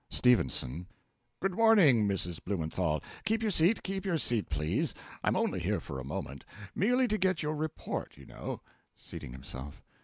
STEPHENSON. Good morning, Mrs. Blumenthal keep your seat, keep your seat, please. I'm only here for a moment merely to get your report, you know. (Seating himself.)